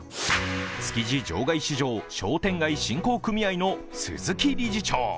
築地場外市場商店街振興組合の鈴木理事長。